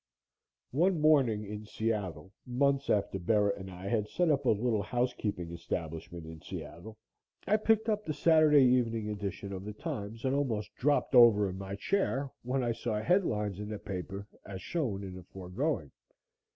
One morning in Seattle months after Bera and I had set up a little housekeeping establishment in Seattle, I picked up the Saturday evening edition of The Times and almost dropped over in my chair when I saw headlines in the paper as shown in the foregoing.